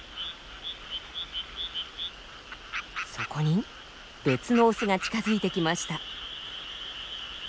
そこに別のオスが近づいてきました。